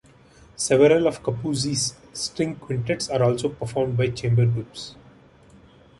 Several of Capuzzi's string quintets are also performed by chamber groups.